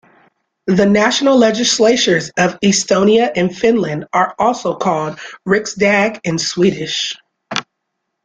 The national legislatures of Estonia and Finland are also called Riksdag in Swedish.